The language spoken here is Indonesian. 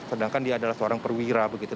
sedangkan dia adalah seorang perwira begitu